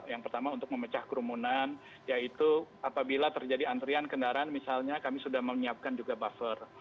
yang pertama untuk memecah kerumunan yaitu apabila terjadi antrian kendaraan misalnya kami sudah menyiapkan juga buffer